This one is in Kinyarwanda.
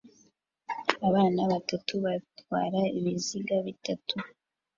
abana batatu batwara ibiziga bitatu